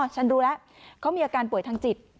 ฉันรู้แล้วเขามีอาการป่วยทางจิต